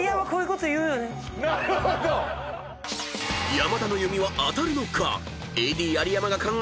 ［山田の読みは当たるのか？］